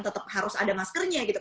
tetap harus ada maskernya gitu